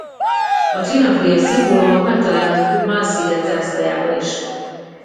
A trinacria-szimbólumot megtalálhatjuk Man sziget zászlajában is.